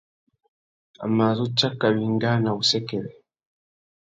A mà zu tsaka wingāna wussêkêrê.